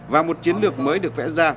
và một chiến lược mới được vẽ ra